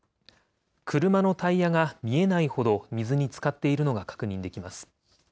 車のタイヤが見えないほど水につかっているのが確認できます。